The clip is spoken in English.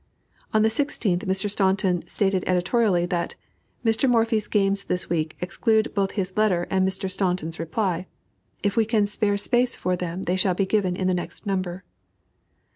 On the 16th Mr. Staunton stated editorially that "Mr. Morphy's games this week exclude both his letter and Mr. Staunton's reply. If we can spare space for them they shall be given in the next number."